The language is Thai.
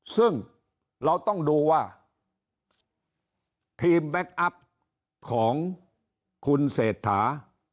ซึ่งเราต้องดูว่าทีมแบ็คอัพของคุณเศรษฐา